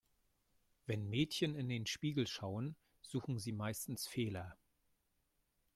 Wenn Mädchen in den Spiegel schauen, suchen sie meistens Fehler.